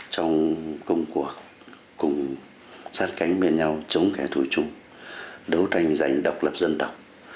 trong cùng cuộc cùng sát cánh bên nhau chống kẻ thù chung đấu tranh giành độc lập dân tộc